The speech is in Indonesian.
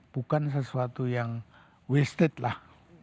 bukan sesuatu yang wasted lah